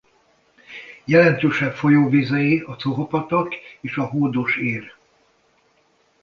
Jelentősebb folyóvizei a Cuha-patak és a Hódos-ér.